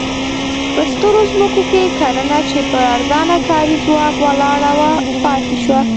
په سترو ځمکو کې کرنه چې پر ارزانه کاري ځواک ولاړه وه پاتې شوه.